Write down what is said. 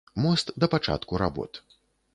Мост да пачатку работ.